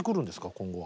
今後は。